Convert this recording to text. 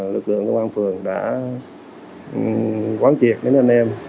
lực lượng công an phường đã quán triệt đến anh em